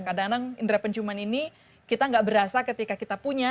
kadang kadang indera penciuman ini kita gak berasa ketika kita punya